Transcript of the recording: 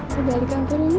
kebalikan karun mas